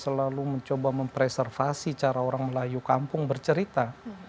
selalu mencoba mempreservasi cara orang melayu kampung bercerita